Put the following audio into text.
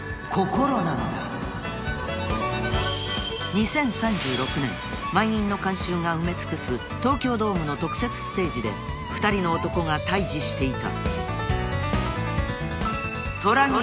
［２０３６年満員の観衆が埋め尽くす東京ドームの特設ステージで２人の男が対峙していた］